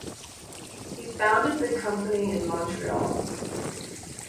He founded the company in Montreal.